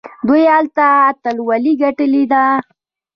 دوی هلته اتلولۍ ګټلي دي.